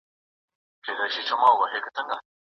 چي لا شل پتنګان ګرځي شل وي شمعي سوځولي